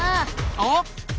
あっ！